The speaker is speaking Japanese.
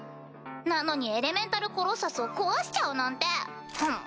なのにエレメンタルコロッサスを壊しちゃうなんて！